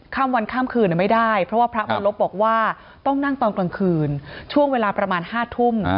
ข้ามวันข้ามคืนไม่ได้เพราะว่าพระมาลบบอกว่าต้องนั่งตอนกลางคืนช่วงเวลาประมาณ๕ทุ่ม